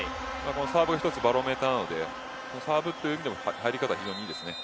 サーブは１つのバロメーターなのでサーブの入り方が非常にいいですね。